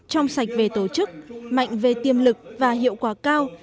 trong sạch về tổ chức mạnh về tiềm lực và hiệu quả cao